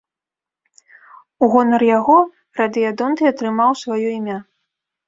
У гонар яго радыядонт і атрымаў сваё імя.